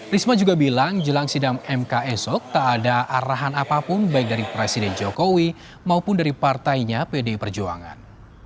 risma juga bilang jelang sidang mk esok tak ada arahan apapun baik dari presiden jokowi maupun dari partainya pdi perjuangan